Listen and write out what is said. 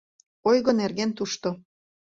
Ойго нерген тушто